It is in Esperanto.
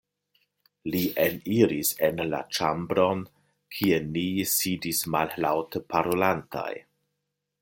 Li eniris en la ĉambron, kie ni sidis mallaŭte parolantaj.